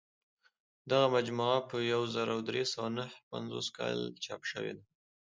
دغه مجموعه په یو زر درې سوه نهه پنځوس کال چاپ شوې ده.